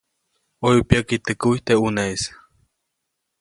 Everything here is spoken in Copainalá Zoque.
ʼOyu pyäki teʼ kuy teʼ ʼuneʼis.